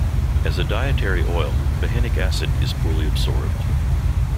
As a dietary oil, behenic acid is poorly absorbed.